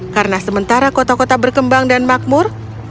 karena sementara kota kota berkembang dan makmur